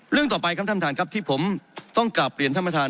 ต่อไปครับท่านประธานครับที่ผมต้องกลับเรียนท่านประธาน